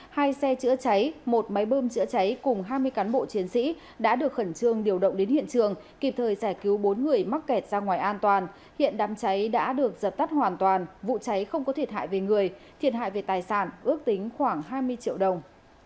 hai xe chữa cháy một máy bơm chữa cháy cùng hai mươi cán bộ chiến sĩ đã được khẩn trương điều động đến hiện trường kịp thời giải cứu bốn người mắc kẹt ra ngoài an toàn hiện đám cháy đã được dập tắt hoàn toàn vụ cháy không có thiệt hại về người thiệt hại về tài sản ước tính khoảng hai mươi triệu đồng